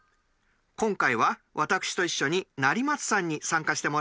今回は私と一緒に成松さんに参加してもらいます。